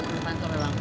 buat pikiran kamu bang